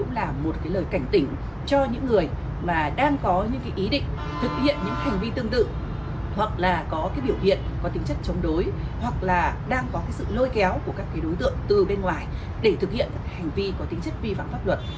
họ có biểu hiện có tính chất chống đối hoặc là đang có sự lôi kéo của các đối tượng từ bên ngoài để thực hiện hành vi có tính chất vi phạm pháp luật